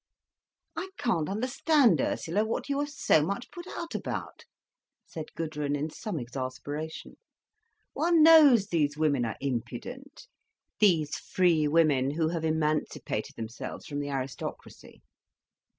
"I can't understand, Ursula, what you are so much put out about," said Gudrun, in some exasperation. "One knows those women are impudent—these free women who have emancipated themselves from the aristocracy."